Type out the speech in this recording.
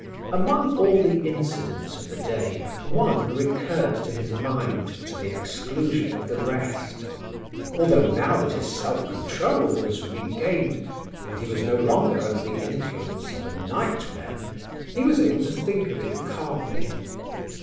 Among all the incidents of the day, one recurred to his mind to the exclusion of the rest; although now that his self control was regained, and he was no longer under the influence of a nightmare, he was able to think of it calmly.